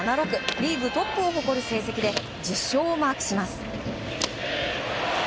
リーグトップを誇る成績で１０勝をマークします。